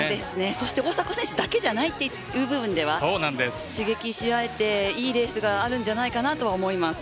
大迫選手だけではないという部分で刺激しあえていい部分があるんじゃないかと思います。